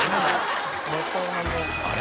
あれ？